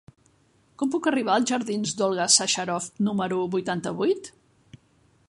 Com puc arribar als jardins d'Olga Sacharoff número vuitanta-vuit?